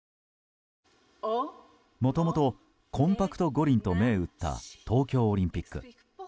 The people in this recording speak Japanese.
もともとコンパクト五輪と銘打った東京オリンピック。